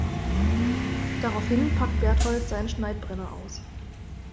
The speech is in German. Daraufhin packt Bertold seinen Schneidbrenner aus.